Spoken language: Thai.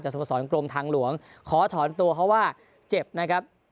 สมสรกรมทางหลวงขอถอนตัวเพราะว่าเจ็บนะครับ